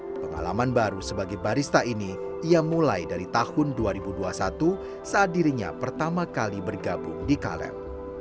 pengalaman baru sebagai barista ini ia mulai dari tahun dua ribu dua puluh satu saat dirinya pertama kali bergabung di kaleb